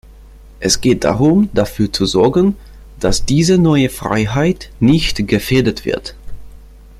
Es geht darum, dafür zu sorgen, dass diese neue Freiheit nicht gefährdet wird.